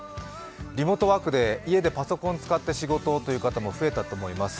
リモートワークで家でパソコンを使って仕事という方も増えたと思います。